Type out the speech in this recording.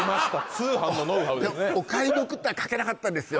通販のノウハウですね「お買い得」とは書けなかったんですよ